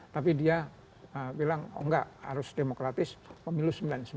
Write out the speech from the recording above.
tapi dia bilang oh enggak harus demokratis pemilu sembilan puluh sembilan